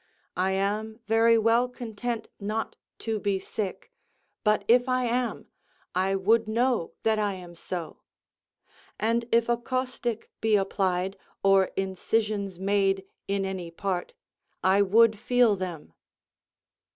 I am very well content not to be sick; but if I am, I would know that I am so; and if a caustic be applied, or incisions made in any part, I would feel them."